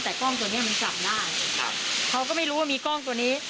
แต่กล้องตัวเนี้ยมันจับได้ครับเขาก็ไม่รู้ว่ามีกล้องตัวนี้